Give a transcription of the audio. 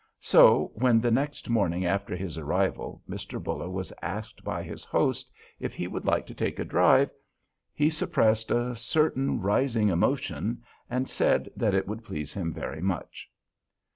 So when, the next morning after his arrival, Mr. Buller was asked by his host if he would like to take a drive, he suppressed a certain rising emotion and said that it would please him very much.